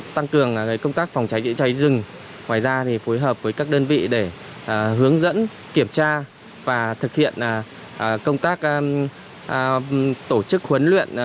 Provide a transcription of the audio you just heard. tăng cường công tác phòng cháy cháy cháy rừng phối hợp với các đơn vị để hướng dẫn kiểm tra và thực hiện công tác tổ chức huấn luyện